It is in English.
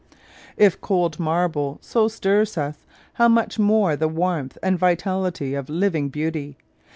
" If cold marble so stirs us, how much more the warmth and vitality of living beauty!